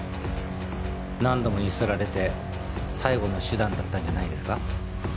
何度もゆすられて最後の手段だったんじゃないですか？